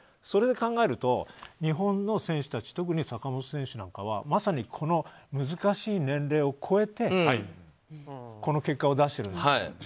それで考えると日本の選手たち特に坂本選手なんかはまさにこの難しい年齢を超えてこの結果を出しているんですね。